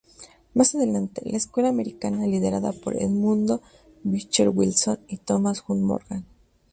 Más adelante, la escuela americana liderada por Edmund Beecher Wilson y Thomas Hunt Morgan.